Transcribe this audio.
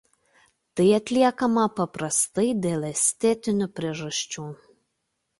Tai atliekama paprastai dėl estetinių priežasčių.